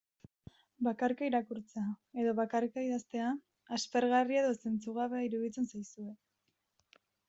Bakarka irakurtzea edo bakarka idaztea, aspergarria edo zentzugabea iruditzen zaizue.